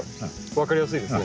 分かりやすいですね。